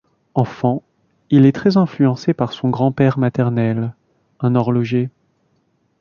Enfant, il est très influencé par son grand-père maternel, un horloger.